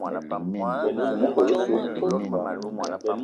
Soo mekol osso.